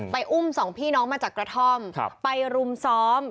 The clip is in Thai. อุ้มสองพี่น้องมาจากกระท่อมไปรุมซ้อม